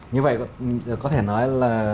như vậy có thể nói là